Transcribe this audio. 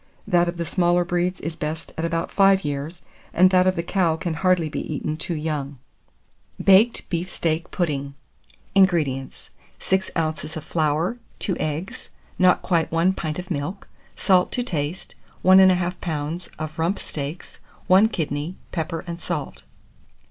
That of the smaller breeds is best at about five years, and that of the cow can hardly be eaten too young. BAKED BEEF STEAK PUDDING. 600. INGREDIENTS. 6 oz. of flour, 2 eggs, not quite 1 pint of milk, salt to taste, 1 1/2 lb. of rump steaks, 1 kidney, pepper and salt.